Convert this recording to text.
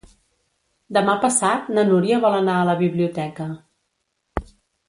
Demà passat na Núria vol anar a la biblioteca.